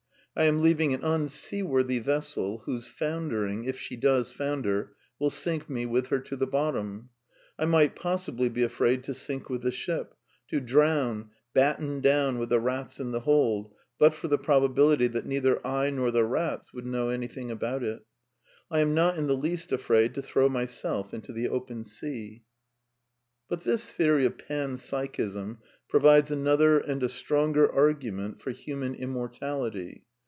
I am leaving an unseaworthy vessel whose foundering, if she does founder, will sink me with her to the bottom. I might possibly be afraid to sink with the ship ; to drown, battened down with the rats in the hold, but for the probability that neither I nor the rats would know anything about it. I am not in the least afraid to throw myself into the open sea* But this theory of Pan Psychism provides another and a stronger argument for human immortality.